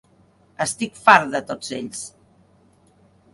Estic fart de tots ells.